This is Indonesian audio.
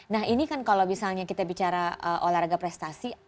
nah ini kan kalau misalnya kita bicara olahraga prestasi